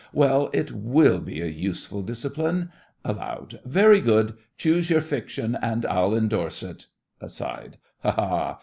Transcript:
Well, it will be a useful discipline. (Aloud.) Very good. Choose your fiction, and I'll endorse it! (Aside.) Ha! ha!